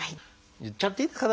言っちゃっていいですか？